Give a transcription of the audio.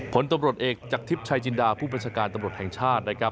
ผลตำรวจเอกจากทิพย์ชายจินดาผู้บัญชาการตำรวจแห่งชาตินะครับ